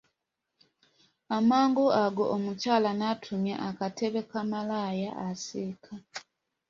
Amangu ago omukyala n'atumya akatebe ka malaaya asiika.